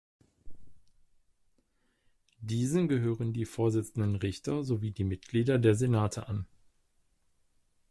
Diesen gehören die Vorsitzenden Richter sowie die Mitglieder der Senate an.